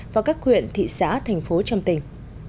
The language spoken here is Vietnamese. và các quyện thị xã thành phố trong tỉnh